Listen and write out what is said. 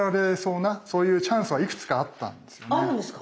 あるんですか？